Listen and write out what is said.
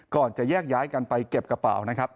ก่อนจะแยกย้ายกันไปเก็บกระเป๋านะครับ